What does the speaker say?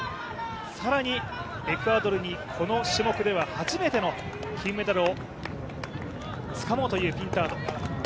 更にエクアドルにこの種目では初めての金メダルをつかもうというピンタード。